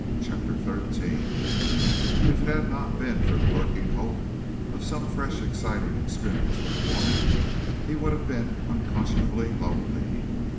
CHAPTER XIII If it had not been for the lurking hope of some fresh exciting experience with a woman, he would have been unconscionably lonely.